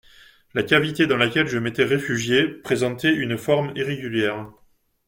La cavité dans laquelle je m'étais réfugié présentait une forme irrégulière.